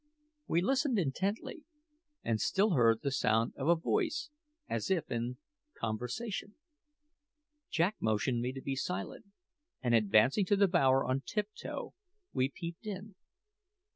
We listened intently, and still heard the sound of a voice as if in conversation. Jack motioned me to be silent, and advancing to the bower on tiptoe, we peeped in.